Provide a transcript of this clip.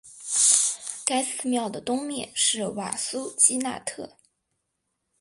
该寺庙的东面是瓦苏基纳特。